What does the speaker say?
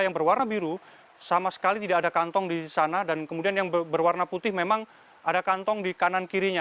yang berwarna biru sama sekali tidak ada kantong di sana dan kemudian yang berwarna putih memang ada kantong di kanan kirinya